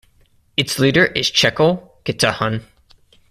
Its leader is Chekol Getahun.